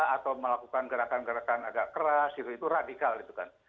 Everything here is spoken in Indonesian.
atau melakukan gerakan gerakan agak keras gitu itu radikal gitu kan